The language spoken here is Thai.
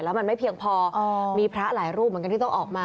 แล้วมันไม่เพียงพอมีพระหลายรูปเหมือนกันที่ต้องออกมา